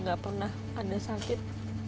gak pernah ada sakit